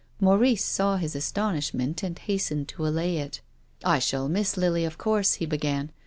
Maurice saw his astonishment and hastened to allay it. "I sliali miss Lily of course," he began.